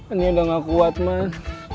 ini udah gak kuat mah